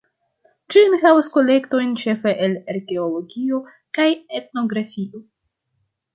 Ĝi enhavas kolektojn ĉefe el arkeologio kaj etnografio.